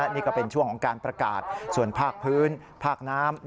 นี่ก็เป็นช่วงของการประกาศส่วนภาคพื้นภาคน้ำ